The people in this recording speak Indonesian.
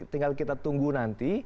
tinggal kita tunggu nanti